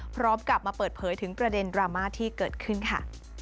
พร้อมกลับมาเปิดเผยถึงประเด็นดราม่าที่เกิดขึ้นค่ะ